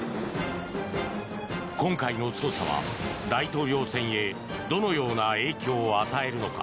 今回の捜査は、大統領選へどのような影響を与えるのか。